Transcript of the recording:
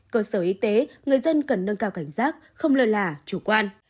cơ sở y tế người dân cần nâng cao cảnh giác không lờ lả chủ quan